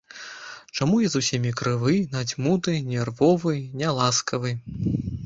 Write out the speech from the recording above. Чаму я з усімі крывы, надзьмуты, нервовы, няласкавы?